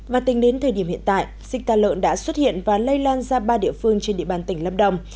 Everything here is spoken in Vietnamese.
và tính đến thời điểm hiện tại dịch tà lợn đã xuất hiện và lây lan ra ba địa phương trên địa bàn tỉnh lâm đồng